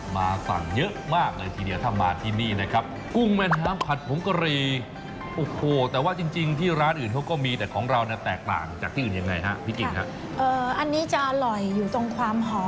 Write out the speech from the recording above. เมี่ยงคำเลือกมาแล้ว